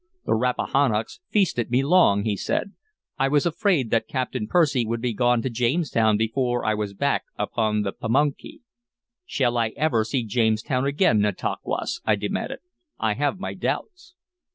"The Rappahannocks feasted me long," he said. "I was afraid that Captain Percy would be gone to Jamestown before I was back upon the Pamunkey." "Shall I ever see Jamestown again, Nantauquas?" I demanded. "I have my doubts."